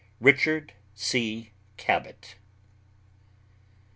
RICHARD C. CABOT.